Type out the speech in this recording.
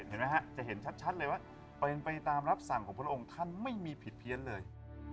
เห็นไหมฮะจะเห็นชัดเลยว่าเป็นไปตามรับสั่งของพระองค์ท่านไม่มีผิดเพี้ยนเลย